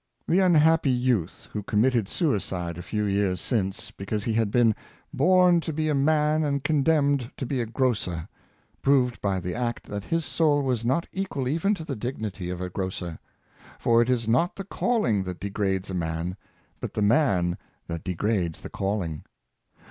The unhappy youth who committed suicide a few years since because he had been " born to be a man and condemned to be a grocer," proved by the act that his soul was not equal even to the dignity of a grocer; for it is not the calling that degrades a man, but the man that degrades the calling.